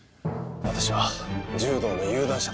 私は柔道の有段者です。